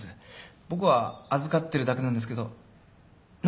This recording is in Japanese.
僕は預かってるだけなんですけど何か問題でも？